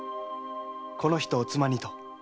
この人を妻にと。